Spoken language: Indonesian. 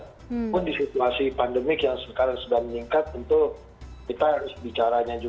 walaupun di situasi pandemik yang sekarang sudah meningkat tentu kita harus bicara tentang itu